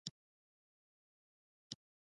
دا ناره نکل چیان د کسر پر ډول وایي.